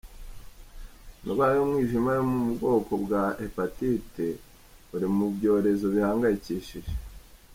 Indwara y’umwijima yo mubwoko bwa Hepatite uri mu byorezo bihangayikishije